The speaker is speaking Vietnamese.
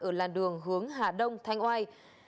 ở làn đường hướng hà đông thanh oai